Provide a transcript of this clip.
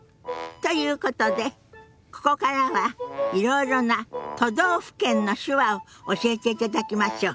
ということでここからはいろいろな都道府県の手話を教えていただきましょ。